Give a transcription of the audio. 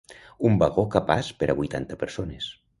Un vagó capaç per a vuitanta persones.